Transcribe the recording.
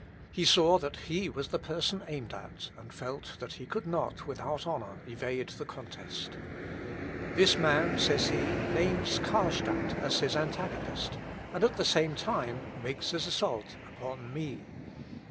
He saw that he was the person aimed at, and felt that he could not, with honour, evade the contest. "This man," said he, "names Carlstadt as his antagonist, and at the same time makes his assault upon me.